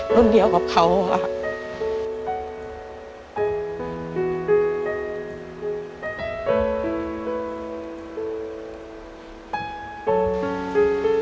รุ่นเดียวกับเขาค่ะ